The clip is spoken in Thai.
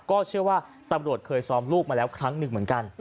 ก็เชื่อว่าตำรวจเคยซ้อมลูกมาแล้วครั้งหนึ่งเหมือนกัน